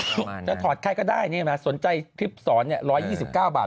จะถอดไข้ก็ได้นี่เห็นไหมฮะสนใจคลิปสอนเนี่ย๑๒๙บาท